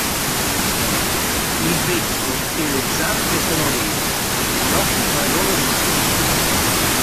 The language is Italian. Il becco e le zampe sono neri, e gli occhi marrone scuro.